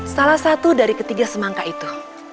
salah satu dari ketiga semangka itu